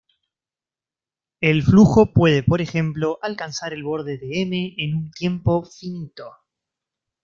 El flujo puede por ejemplo alcanzar el borde de "M" en un tiempo finito.